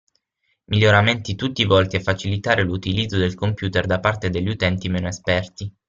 Miglioramenti tutti volti a facilitare l'utilizzo del computer da parte degli utenti meno esperti.